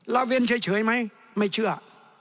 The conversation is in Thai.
ละเว้นเฉยไหมไม่เชื่อ